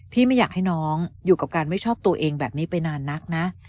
ไม่อยากให้น้องอยู่กับการไม่ชอบตัวเองแบบนี้ไปนานนักนะ